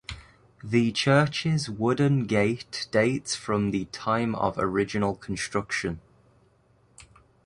The church's wooden gate dates from the time of original construction.